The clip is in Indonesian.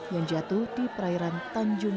yang jatuh di perairan tanjung